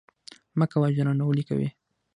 مه کوه جانانه ولې کوې؟